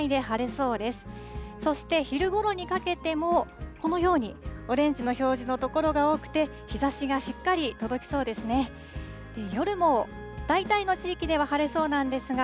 そして昼ごろにかけても、このようにオレンジの表示の所が多くて、日ざしがしっかり届きそうですね。